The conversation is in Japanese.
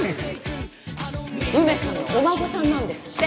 梅さんのお孫さんなんですって。